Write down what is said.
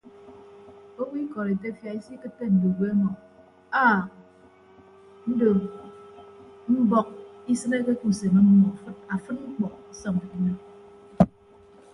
Owo ikọd etefia isikịtte ndudue ọmọ aak ndo mbọk isịneke ke usem ọmmọ afịd mkpọ ọsọñ ke uyo.